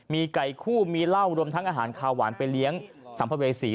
มีไก่คู่มีเหล้ารวมทั้งอาหารคาวหวานไปเลี้ยงสัมภเวษี